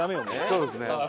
そうですね。